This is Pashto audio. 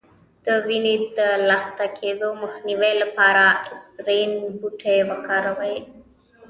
د وینې د لخته کیدو مخنیوي لپاره اسپرین بوټی وکاروئ